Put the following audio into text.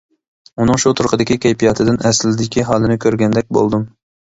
ئۇنىڭ شۇ تۇرقىدىكى كەيپىياتىدىن ئەسلىدىكى ھالىنى كۆرگەندەك بولدۇم.